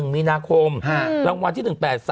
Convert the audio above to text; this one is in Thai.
๑มีนาคมหลังวันที่๑๘๓๕